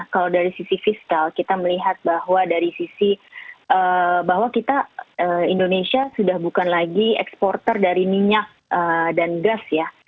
kalau dari sisi fiskal kita melihat bahwa dari sisi bahwa kita indonesia sudah bukan lagi eksporter dari minyak dan gas ya